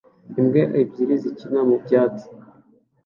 imbwa ebyiri zikina mu byatsi